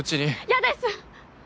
嫌です！